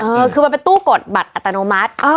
เออคือมันเป็นตู้กดบัตรอัตโนมัติ